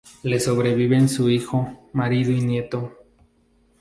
Le sobreviven su hijo, marido y nieto.